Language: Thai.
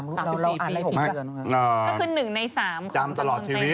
เมื่อกี้ท่านบอกว่าตลอดชีวิต๕๐ปี